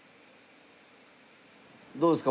どうですか？